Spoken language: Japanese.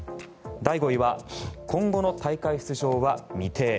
第５位は今後の大会出場は未定。